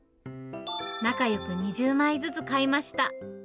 仲よく２０枚ずつ買いました。